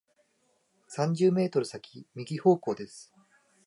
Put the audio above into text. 三十メートル先、右方向です。